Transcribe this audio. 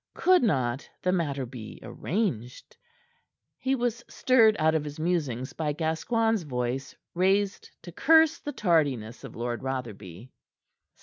Could not the matter be arranged? He was stirred out of his musings by Gascoigne's voice, raised to curse the tardiness of Lord Rotherby.